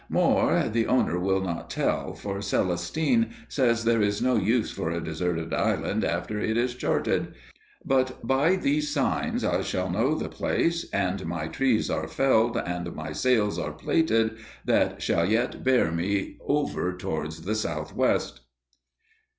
More the owner will not tell, for Celestine says there is no use for a deserted island after it is charted; but by these signs I shall know the place, and my trees are felled and my sails are plaited that shall yet bear me over towards the southwest!